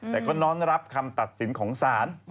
แต่ก็น้อมรับคำตัดสินของศาล